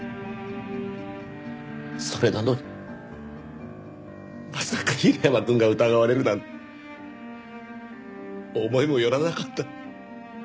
それなのにまさか平山くんが疑われるなんて思いもよらなかった。